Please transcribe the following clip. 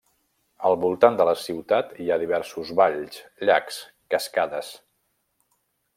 Al voltant de la ciutat hi ha diversos valls, llacs, cascades.